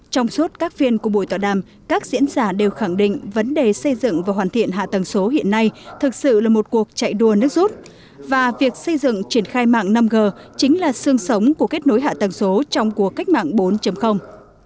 trong suốt các phiên của buổi tọa đàm các diễn giả đều khẳng định vấn đề xây dựng và hoàn thiện hạ tầng số hiện nay thực sự là một cuộc chạy đua nước rút và việc xây dựng triển khai mạng năm g chính là sương sống của kết nối hạ tầng số trong cuộc cách mạng bốn